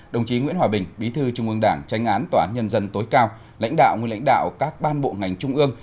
đồng chí nguyễn hòa bình bí thư trung ương đảng tranh án tòa án nhân dân tối cao lãnh đạo nguyên lãnh đạo các ban bộ ngành trung ương